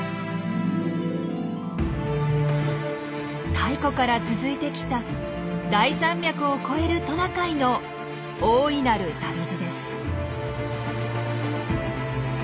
太古から続いてきた大山脈を越えるトナカイの大いなる旅路です。